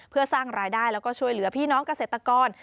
เพื่อสร้างรายได้แล้วก็ช่วยเหลือพี่น้องเกษตรกร